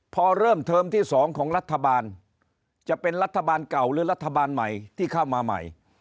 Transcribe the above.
พอเริ่มเทอมที่๒ของรัฐบาลจะเป็นรัฐบาลเก่าหรือรัฐบาลใหม่ที่เข้ามาใหม่